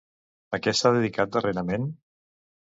A què s'ha dedicat darrerament?